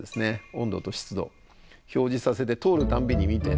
温度と湿度表示させて通るたんびに見て楽しんでます。